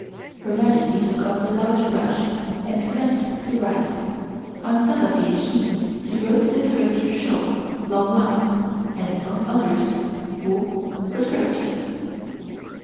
Her Majesty took up a large brush and commenced to write. On some of these sheets she wrote the character "Shou" (Long Life) and on others "Fu" (Prosperity).